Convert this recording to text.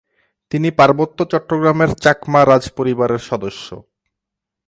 তিনি পার্বত্য চট্টগ্রামের চাকমা রাজপরিবারের সদস্য।